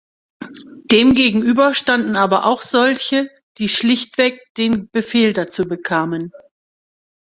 Demgegenüber standen aber auch solche, die schlichtweg den Befehl dazu bekamen.